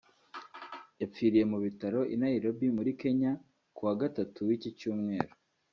yapfiriye mu bitaro i Nairobi muri Kenya kuwa Gatatu w’iki cyumweru